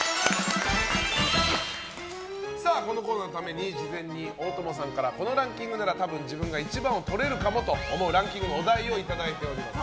このコーナーのために事前に大友さんからこのランキングならたぶん自分が１番をとれるかもというランキングのお題をいただいております。